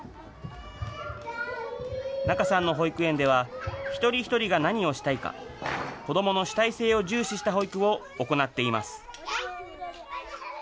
仲さんの保育園では、一人一人が何をしたいか、子どもの主体性を重視した保育を行っています。